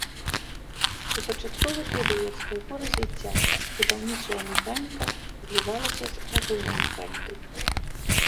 У пачатковы перыяд свайго развіцця будаўнічая механіка злівалася з агульнай механікай.